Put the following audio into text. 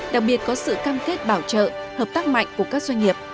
đặc biệt có sự cam kết bảo trợ hợp tác mạnh của các doanh nghiệp